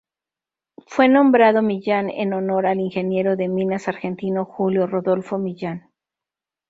Fue nombrado Millan en honor al ingeniero de minas argentino "Julio Rodolfo Millán".